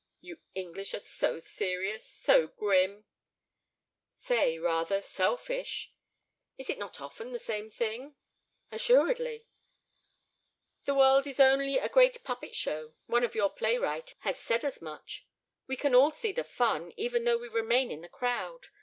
"You English are so serious, so grim." "Say, rather—selfish." "Is it not often the same thing?" "Assuredly." "The world is only a great puppet show; one of your playwriters has said as much. We can all see the fun, even though we remain in the crowd.